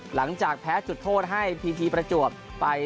หลังจากแพ้จุดโทษให้พีพีประจวบไป